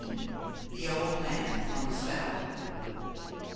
THE OLD MAN ON THE FELL.